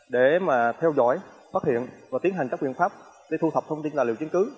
để mà theo dõi phát hiện và tiến hành các biện pháp để thu thập thông tin tài liệu chứng cứ